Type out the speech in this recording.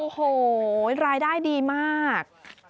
โอ้โหรายได้ดีมาก